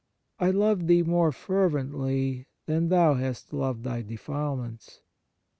... I love thee more fervently than thou hast loved thy defilements. .